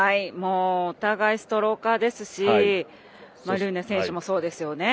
お互いストローカーですしルーネ選手もそうですよね。